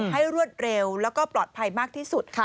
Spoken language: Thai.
ให้รวดเร็วและก็ปลอดภัยมากที่สุด